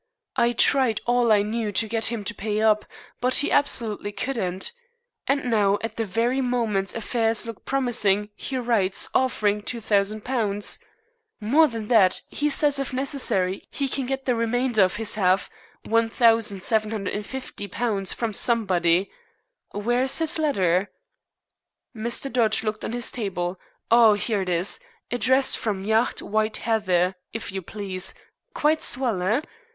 I tried all I knew to get him to pay up, but he absolutely couldn't. And now at the very moment affairs look promising he writes offering £2,000. More than that, he says, if necessary, he can get the remainder of his half, £1750, from somebody. Where is his letter?" Mr. Dodge looked on his table. "Oh, here it is. Addressed from 'Yacht White Heather,' if you please. Quite swell, eh?